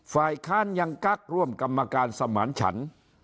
ฝ่ายค้านยังกักร่วมกรรมการสมานฉัน